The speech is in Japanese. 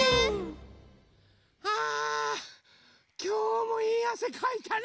あきょうもいいあせかいたね。